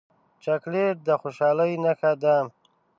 چاکلېټ د خوشحالۍ نښه ده.